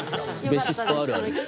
ベーシストあるあるです。